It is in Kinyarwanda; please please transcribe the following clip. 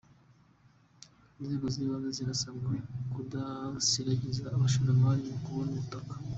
Inzego zibanze zirasabwa kudasiragiza abashoramari mu kubona ubutaka